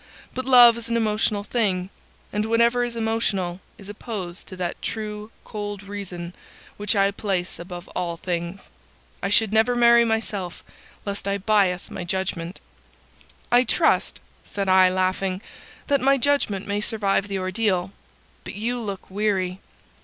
But love is an emotional thing, and whatever is emotional is opposed to that true cold reason which I place above all things. I should never marry myself, lest I bias my judgment." "I trust," said I, laughing, "that my judgment may survive the ordeal. But you look weary."